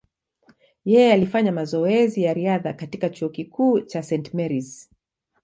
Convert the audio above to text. Yeye alifanya mazoezi ya riadha katika chuo kikuu cha St. Mary’s.